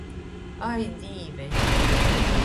Ai, Dīveņ!